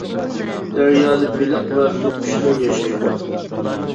دەريادا بېلىق ۋە سۇ قۇشلىرى ياشايدۇ.